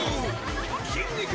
筋肉！